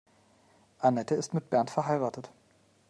Anette ist mit Bernd verheiratet.